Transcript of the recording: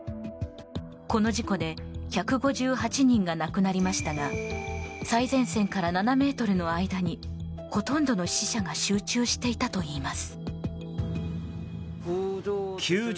この事故で１５８人が亡くなりましたが最前線から７ｍの間にほとんどの死者が集中していたといいます。